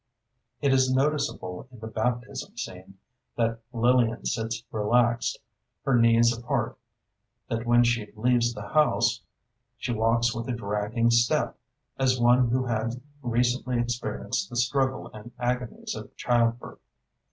It is noticeable in the baptism scene, that Lillian sits relaxed, her knees apart; that when she leaves the house, she walks with a dragging step, as one who had recently experienced the struggle and agonies of child birth.